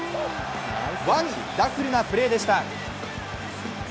ワンダフルなプレーでした。